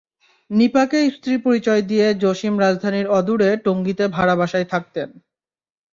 নিপাকে স্ত্রী পরিচয় দিয়ে জসিম রাজধানীর অদূরে টঙ্গীতে ভাড়া বাসায় থাকতেন।